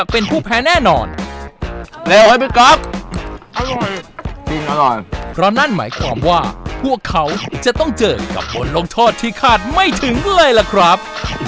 เพราะนั่นหมายความว่าพวกเขาจะต้องเจอกับบนลงทอดที่คาดไม่ถึงเลยล่ะครับ